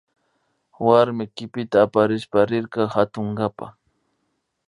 Warmi kipita aparishpa rirka katunkapa